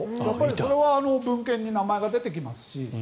それは分権に名前が出てきますし。